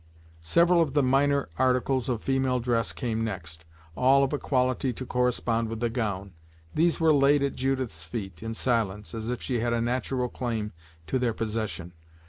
Several of the minor articles of female dress came next, all of a quality to correspond with the gown. These were laid at Judith's feet, in silence, as if she had a natural claim to their possession.